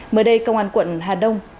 mới đây công an quận hà đông